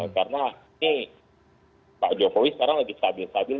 karena ini pak jokowi sekarang lagi stabil stabil